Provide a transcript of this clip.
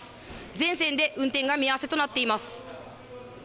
全線で運転が見合わせとなっています。